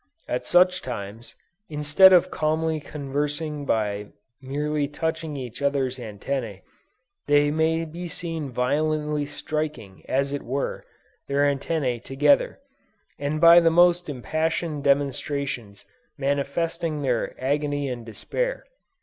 At such times, instead of calmly conversing by merely touching each other's antennæ, they may be seen violently striking as it were, their antennæ together, and by the most impassioned demonstrations manifesting their agony and despair.